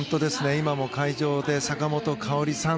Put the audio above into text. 今も会場で坂本花織さん